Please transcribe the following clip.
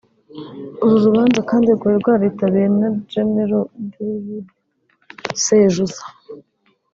uru rubanza kandi rwari rwitabiriwe na General David Sejusa